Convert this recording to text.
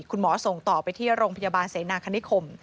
ส่งต่อไปที่โรงพยาบาลเสนาคณิคม